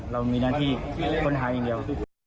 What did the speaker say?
เรามีหน้าที่ค้นหาอย่างเดียว